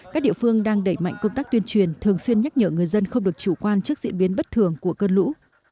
các địa phương đang đẩy mạnh công tác tuyên truyền thường xuyên nhắc nhở người dân không được chủ quan trước diễn biến bất thường của cơn lũ